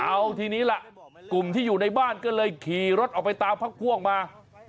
เอาทีนี้ล่ะกลุ่มที่อยู่ในบ้านก็เลยขี่รถออกไปตามพักพวกมา